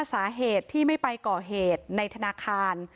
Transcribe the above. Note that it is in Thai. สาเหตุที่ไม่ไปก่อเหตุในธนาคาร